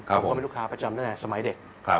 ผมก็เป็นลูกค้าประจำตั้งแต่สมัยเด็ก